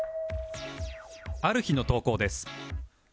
ある日の投稿です